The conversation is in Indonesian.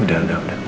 udah udah udah